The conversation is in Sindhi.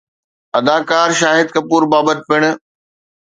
اداڪار شاهد ڪپور بابت پڻ